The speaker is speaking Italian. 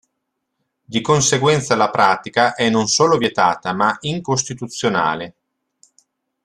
Di conseguenza la pratica è non solo vietata ma incostituzionale.